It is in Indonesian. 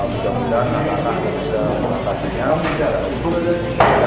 muda muda nangis nangis penatasannya